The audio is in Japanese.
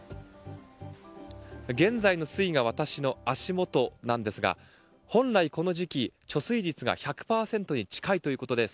現在の水位が私の足元なんですが本来この時期、貯水率が１００％に近いということです。